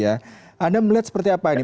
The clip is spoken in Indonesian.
anda melihat seperti apa ini